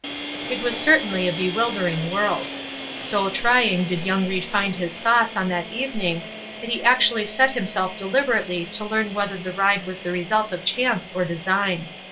It was certainly a bewildering world. So trying did young Ried find his thoughts on that evening that he actually set himself deliberately to learn whether the ride was the result of chance or design.